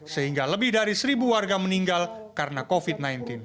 sehingga lebih dari seribu warga meninggal karena covid sembilan belas